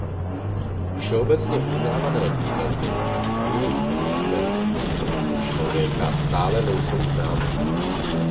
Všeobecně uznávané důkazy o jejich existencí u člověka stále nejsou známy.